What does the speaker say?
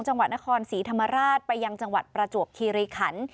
จังหวัดนครศรีธรรมราชไปยังจังหวัดประจวบคีรีขัน